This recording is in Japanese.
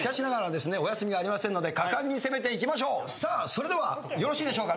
それではよろしいでしょうか？